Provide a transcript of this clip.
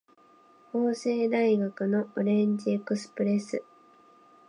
法政大学のオレンジエクスプレス